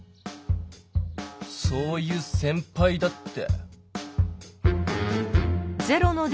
そういう先ぱいだって。